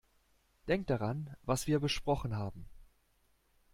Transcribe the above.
Denk daran, was wir besprochen haben!